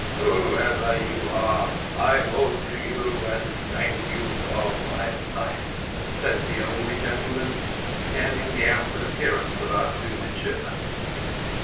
"Whoever you are, I owe to you and thank you for my life," said the elderly gentleman, scanning the outward appearance of our two midshipmen.